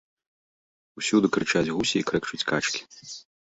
Усюды крычаць гусі і крэкчуць качкі.